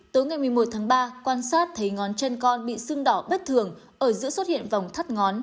tối ngày một mươi một tháng ba quan sát thấy ngón chân con bị sưng đỏ bất thường ở giữa xuất hiện vòng thắt ngón